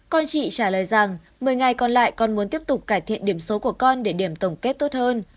con chị trả lời rằng một mươi ngày còn lại con muốn tiếp tục cải thiện điểm số của con để điểm tổng kết tốt hơn